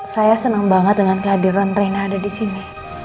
saya senang banget dengan kehadiran rena ada di sini